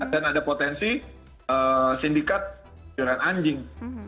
dan ada potensi sindikat penjualan anjing